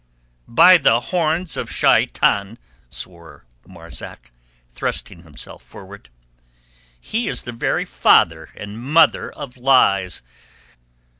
"By the horns of Shaitan," swore Marzak, thrusting himself forward, "he is the very father and mother of lies.